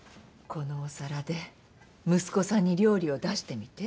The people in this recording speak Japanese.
このお皿で息子さんに料理を出してみて。